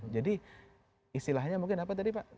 jadi istilahnya mungkin apa tadi pak